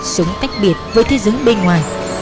xuống tách biệt với thế giới bên ngoài